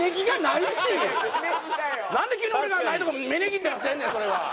なんで急に俺がないとこに「芽ネギ」って出せんねんそれは。